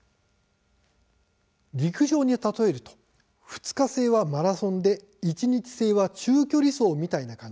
陸上に例えると２日制はマラソンで１日制は中距離走みたいな感じ。